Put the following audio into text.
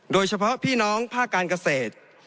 โดยเฉพาะพี่น้องภาคการเกษตร